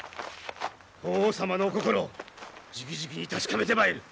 法皇様のお心じきじきに確かめてまいる。